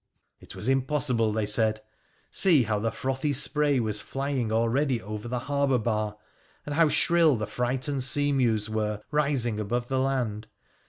It was impossible, they said — see how the frothy spray was flying already over the harbour bar, and how shrill the frightened sea mews were rising high above the land